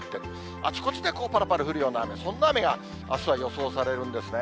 あちこちでぱらぱら降るような雨、そんな雨があすは予想されるんですね。